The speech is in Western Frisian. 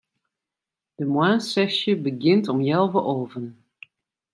De moarnssesje begjint om healwei alven.